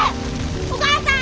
お母さん！